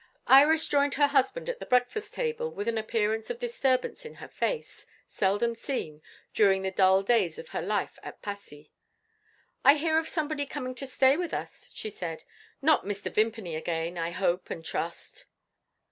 Iris joined her husband at the breakfast table with an appearance of disturbance in her face, seldom seen, during the dull days of her life at Passy. "I hear of somebody coming to stay with us," she said. "Not Mr. Vimpany again, I hope and trust?"